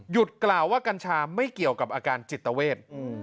กล่าวว่ากัญชาไม่เกี่ยวกับอาการจิตเวท